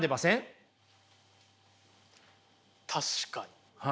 確かに。